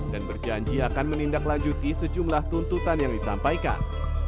dan berjanji akan menindaklanjuti sejumlah tuntutan yang disampaikan